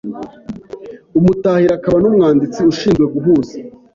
Umutahira akaba n’umwanditsi: ushinzwe guhuza